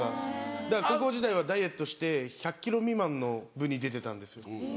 だから高校時代はダイエットして１００ｋｇ未満の部に出てたんですよ。